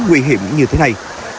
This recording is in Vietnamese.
nguy hiểm như thế này